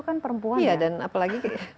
kan perempuan ya dan apalagi